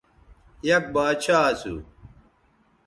یک باچھا اسو